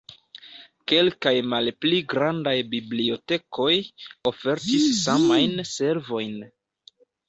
Kelkaj malpli grandaj bibliotekoj ofertis samajn servojn.